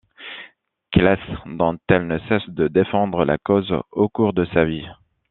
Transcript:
Classe dont elle ne cesse de défendre la cause au cours de sa vie.